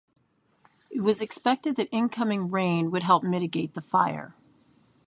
It was expected that incoming rain would help mitigate the fire.